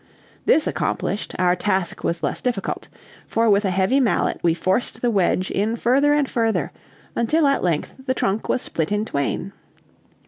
This accomplished, our task was less difficult, for with a heavy mallet we forced the wedge in further and further, until at length the trunk was split in twain.